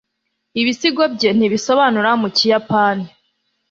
ibisigo bye ntibisobanura mu kiyapani